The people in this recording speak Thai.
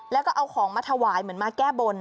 แล้วก็เอาของมาถวายเหมือนมาแก้บน